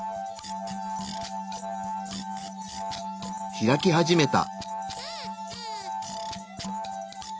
開き始めた。